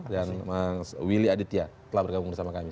dan mas willy aditya telah bergabung bersama kami